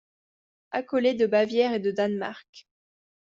Accollé de Bavière et de Danemark.